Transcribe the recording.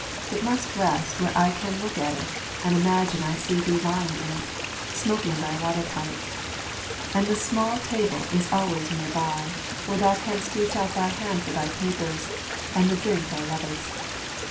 It must rest where I can look at it and imagine I see thee lying it, smoking thy water pipe; and the small table is always near by, where thou canst reach out thy hand for thy papers and the drink thou lovest.